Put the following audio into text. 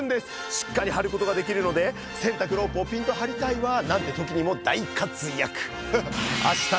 しっかり張ることができるので洗濯ロープをピンと張りたいわなんて時にも大活躍。